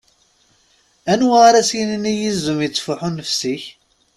Anwa ara as-yinin i yizem: "Ittfuḥu nnefs-ik"?